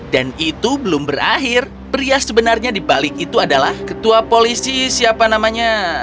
dan itu belum berakhir pria sebenarnya di balik itu adalah ketua polisi siapa namanya